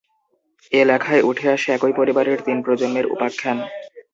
এ লেখায় উঠে আসে একই পরিবারের তিন প্রজন্মের উপাখ্যান।